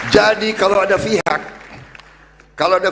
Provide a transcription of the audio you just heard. jadi kalau ada